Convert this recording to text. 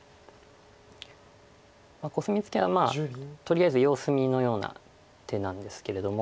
コスミツケはとりあえず様子見のような手なんですけれども。